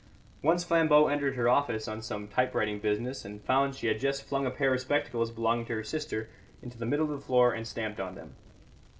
Once Flambeau entered her office on some typewriting business, and found she had just flung a pair of spectacles belonging to her sister into the middle of the floor and stamped on them.